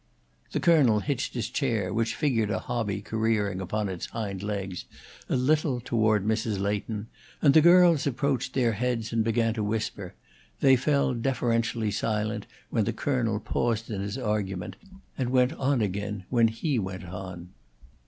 The Colonel hitched his chair, which figured a hobby careering upon its hind legs, a little toward Mrs. Leighton and the girls approached their heads and began to whisper; they fell deferentially silent when the Colonel paused in his argument, and went on again when he went on.